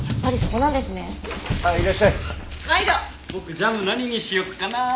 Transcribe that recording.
僕ジャム何にしよっかなあ。